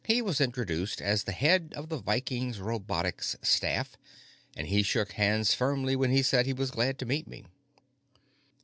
He was introduced as the head of the Viking robotics staff, and he shook hands firmly when he said he was glad to meet me.